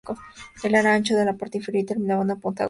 Era ancho en la parte inferior y terminaba en punta aguda y vuelta.